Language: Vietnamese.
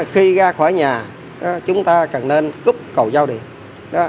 khi ra khỏi nhà chúng ta cần nên cúp cầu giao điện